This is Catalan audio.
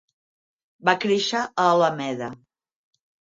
Va créixer a Alameda.